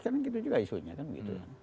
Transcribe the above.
kan gitu juga isunya kan gitu kan